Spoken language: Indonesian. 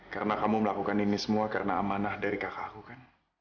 karena kamu melakukan semua ini karena amanah dari kakakku